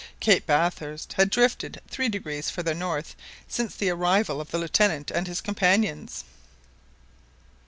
Cape Bathurst had drifted three degrees farther north since the arrival of the Lieutenant and his companions